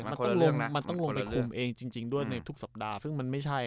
มันต้องลงไปคุมเองจริงด้วยในทุกสัปดาห์